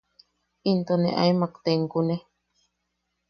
Into ne aemak tenkune.